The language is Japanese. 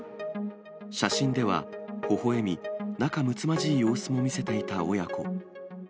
写真では、ほほえみ、仲むつまじい様子も見せていた親子。